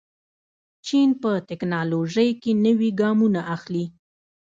چین په تکنالوژۍ کې نوي ګامونه اخلي.